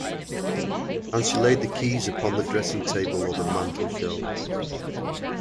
And she laid the keys upon the dressing-table or the mantel-shelf.